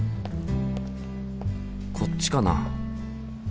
こっちかな？